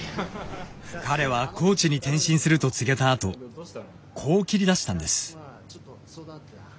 彼はコーチに転身すると告げたあとこう切りだしたんです。